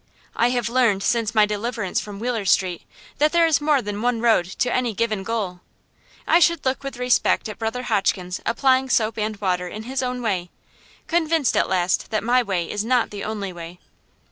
I have learned, since my deliverance from Wheeler Street, that there is more than one road to any given goal. I should look with respect at Brother Hotchkins applying soap and water in his own way, convinced at last that my way is not the only way.